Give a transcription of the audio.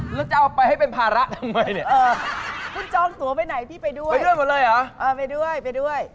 แล้วจะเอาไปให้เป็นภาระทำไมเนี่ยคุณจองตัวไปไหนพี่ไปด้วยไปด้วยหมดเลยเหรอเอาไปด้วยไปด้วย